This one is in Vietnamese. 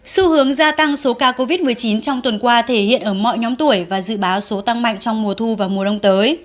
xu hướng gia tăng số ca covid một mươi chín trong tuần qua thể hiện ở mọi nhóm tuổi và dự báo số tăng mạnh trong mùa thu và mùa đông tới